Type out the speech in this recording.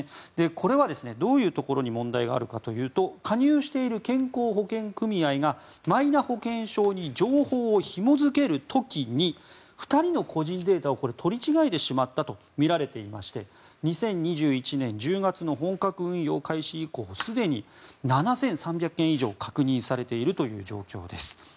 これはどういうところに問題があるかというと加入している健康保険組合がマイナ保険証に情報をひも付ける時に２人の個人データを取り違えてしまったとみられていまして２０２１年１０月の本格運用開始以降すでに７３００件以上確認されているという状況です。